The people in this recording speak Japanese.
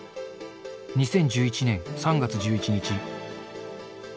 ２０１１年３月１１日。